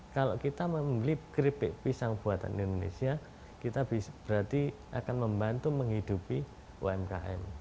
kalau kita membeli keripik pisang buatan indonesia kita berarti akan membantu menghidupi umkm